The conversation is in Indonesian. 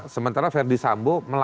sementara verdi sambo